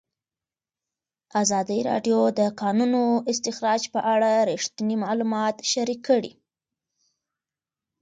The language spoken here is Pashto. ازادي راډیو د د کانونو استخراج په اړه رښتیني معلومات شریک کړي.